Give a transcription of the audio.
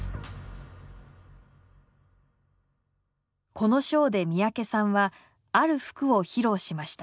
このショーで三宅さんはある服を披露しました。